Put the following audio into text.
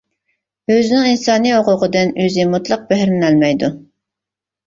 ئۆزىنىڭ ئىنسانىي ھوقۇقىدىن ئۆزى مۇتلەق بەھرىلىنەلمەيدۇ.